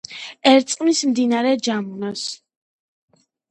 ერწყმის მდინარე ჯამუნას.